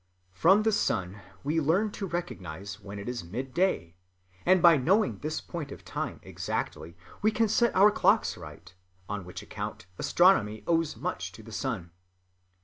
From the sun we learn to recognize when it is midday, and by knowing this point of time exactly, we can set our clocks right, on which account astronomy owes much to the sun....